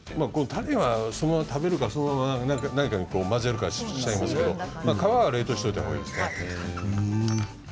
種はそのまま食べるか何かに混ぜるかしちゃいますけど皮は冷凍しておいた方がいいです。